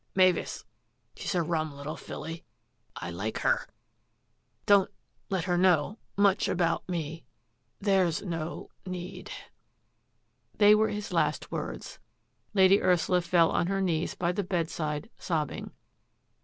Mavis — she's a rum little filly — I like her — don't — let her know — much about me — there's no — need." They were his last words. Lady Ursula fell on her knees by the bedside, sobbing.